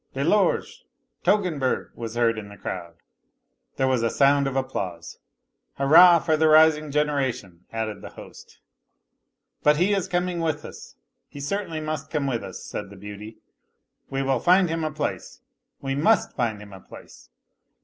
" De Lorge ! Toggenburg !" was heard in the crowd. There was a sound of applause. " Hurrah for the rising generation !" added the host. " But he is coming with us, he certainly must come with us," said the beauty ; "we will find him a place, we must find him a place.